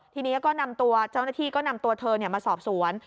ทีนี้ก็นำตัวเจ้าหน้าที่ก็นำตัวเธอมาสอบสวน